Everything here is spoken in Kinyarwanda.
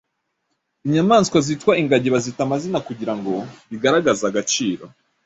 Inyamaswa zitwa ingagi bazita amazina kugira ngo bigaragaze agaciro